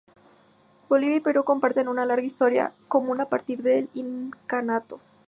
Bolivia y Perú comparten una larga historia común a partir del incanato.